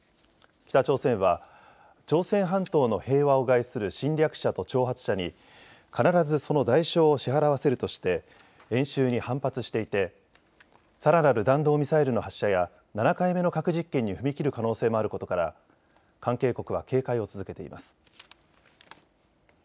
北朝鮮は朝鮮半島の平和を害する侵略者と挑発者に必ずその代償を支払わせるとして演習に反発していてさらなる弾道ミサイルの発射や７回目の核実験に踏み切る可能性もあることから関係国は警戒を続けています。